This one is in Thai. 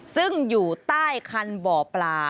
ซึ่งอยู่ใต้คันบ่อปลา